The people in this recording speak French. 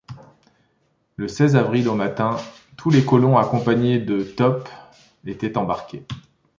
Le seize avril, au matin, tous les colons, accompagnés de Top, étaient embarqués